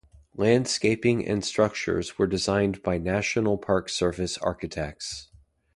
Landscaping and structures were designed by National Park Service architects.